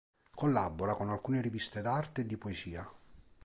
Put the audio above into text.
Collabora con alcune riviste d'Arte e di Poesia.